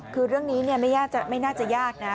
คือเรื่องนี้ไม่น่าจะยากนะ